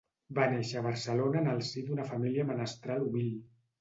Va néixer a Barcelona en el si d’una família menestral humil.